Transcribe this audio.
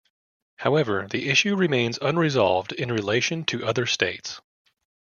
However, the issue remains unresolved in relation to other states.